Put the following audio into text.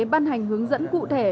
ban hành hướng dẫn cụ thể